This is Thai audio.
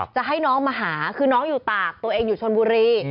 จะให้น้องมาหาคือน้องอยู่ตากตัวเองอยู่ชนบุรี